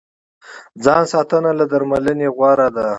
ځان ساتنه له درملنې غوره ده.